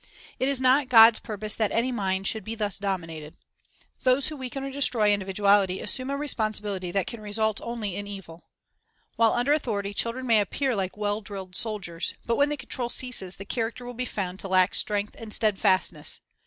It is not God's purpose that any mind should be thus dominated. Those who weaken or destroy individuality assume a responsibility that can result only in evil. While under authority, the children may appear like well drilled sol diers; but when the control ceases, the character will be found to lack strength and steadfastness.